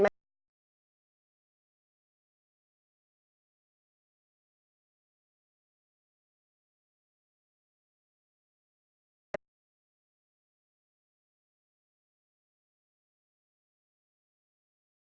ข้างข้าง